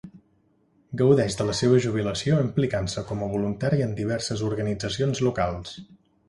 Gaudeix de la seva jubilació implicant-se com a voluntari en diverses organitzacions locals.